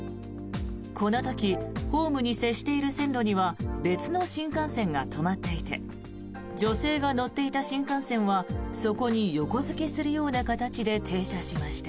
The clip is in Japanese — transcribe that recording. この時ホームに接している線路には別の新幹線が止まっていて女性が乗っていた新幹線はそこに横付けするような形で停車しました。